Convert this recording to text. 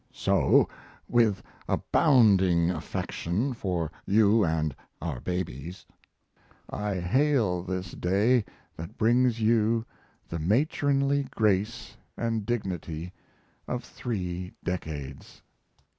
So, with abounding affection for you and our babies I hail this day that brings you the matronly grace and dignity of three decades!